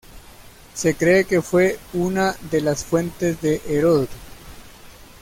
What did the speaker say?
Se cree que fue una de las fuentes de Heródoto.